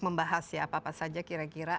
membahas ya apa apa saja kira kira